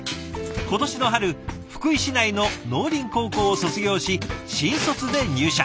今年の春福井市内の農林高校を卒業し新卒で入社。